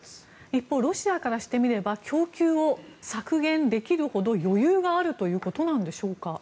一方ロシアからしてみたら供給を削減できるほど余裕があるということなんでしょうか？